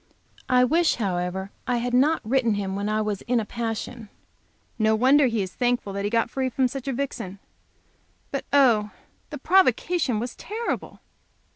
I wish, however, I had not written him when I was in passion. No wonder he is thankful that he free from such a vixen. But, oh the provocation was terrible!